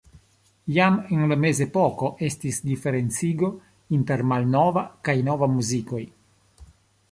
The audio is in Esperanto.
Jam en la mezepoko estis diferencigo inter malnova kaj nova muzikoj.